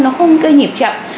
nó không cây nhịp chậm